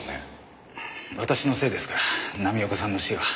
私のせいですから浪岡さんの死は。